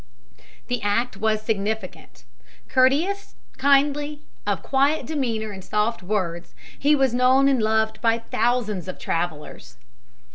That act was significant. Courteous, kindly, of quiet demeanor and soft words, he was known and loved by thousands of travelers.